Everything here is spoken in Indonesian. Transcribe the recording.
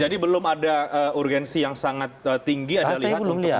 jadi belum ada urgensi yang sangat tinggi